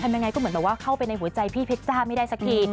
ยังไงก็เหมือนแบบว่าเข้าไปในหัวใจพี่เพชรจ้าไม่ได้สักที